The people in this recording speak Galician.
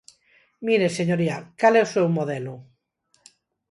Mire, señoría, ¿cal é o seu modelo?